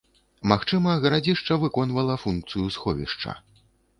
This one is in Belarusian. Магчыма, гарадзішча выконвала функцыю сховішча.